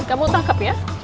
kamu tangkap ya